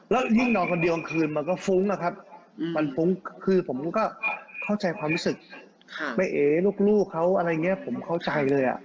แล้วยิ่งนอนคนเดียวกลางคืนมันก็ฟุ้งนะครับมันฟุ้งคือผมก็เข้าใจความรู้สึกแม่เอ๋ลูกเขาอะไรอย่างนี้ผมเข้าใจเลย